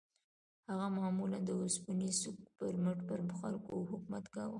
هغه معمولاً د اوسپنيز سوک پر مټ پر خلکو حکومت کاوه.